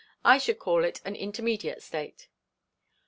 I should call it an intermediate state.'